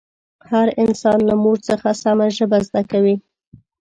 هر انسان له مور څخه سمه ژبه زده کوي